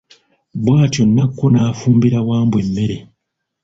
Bw'atyo Nakku n'afumbira Wambwa emmere.